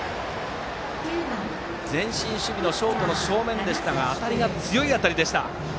前進守備のショートの正面でしたが強い当たりでした。